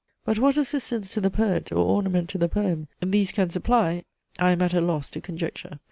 But what assistance to the poet, or ornament to the poem, these can supply, I am at a loss to conjecture.